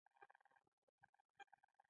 طالبان غواړي د زور له لارې قدرت ته ورسېږي.